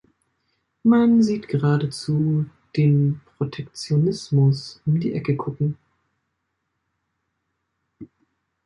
Man sieht geradezu den Protektionismus um die Ecke kucken.